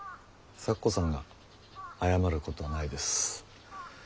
咲子さんが謝ることはないです。